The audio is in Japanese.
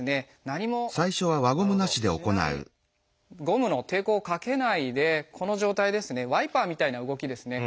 何もしないゴムの抵抗をかけないでこの状態ですねワイパーみたいな動きですね